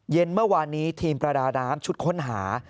เย็นเมื่อวานนี้ทีมประดาน้ำชุดค้นหา